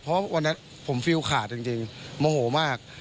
เพราะวันนั้นผมฟิลขาดจริงโมโหมาก